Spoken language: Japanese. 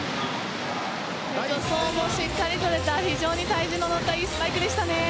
助走もしっかり取れた非常に体重の乗ったいいスパイクでしたね。